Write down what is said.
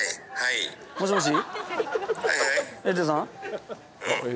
もしもし？